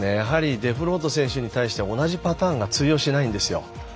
デフロート選手に対しては同じパターンが通用しないんですよ。